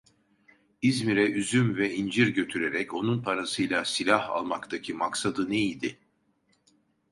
İzmir'e üzüm ve incir götürerek onun parasıyla silah almaktaki maksadı ne idi?